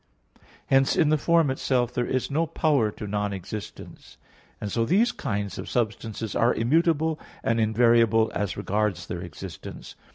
Hence in the form itself there is no power to non existence; and so these kinds of substances are immutable and invariable as regards their existence.